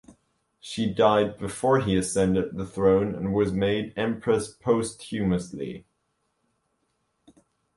She died before he ascended the throne and was made empress posthumously.